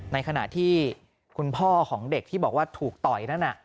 ในขณะที่คุณพ่อของเด็กที่บอกว่าถูกต่อยนั่นน่ะ